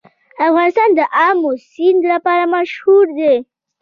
افغانستان د آمو سیند لپاره مشهور دی.